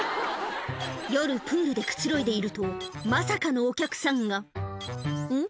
夜プールでくつろいでいるとまさかのお客さんがん？